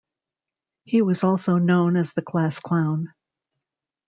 He was also known as the class clown.